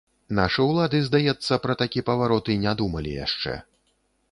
Нашы ўлады, здаецца, пра такі паварот і не думалі яшчэ.